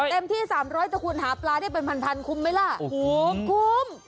เต็มที่๓๐๐แต่คุณหาปลาได้เป็นพันคุ้มไหมล่ะโอ้โหคุ้ม